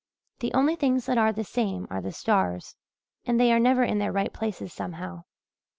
The only things that are the same are the stars and they are never in their right places, somehow.